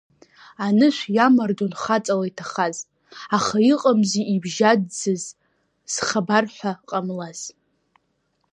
Анышә иамардон хаҵала иҭахаз, аха иҟамзи ибжьаӡӡаз, зхабар ҳәа ҟамлаз.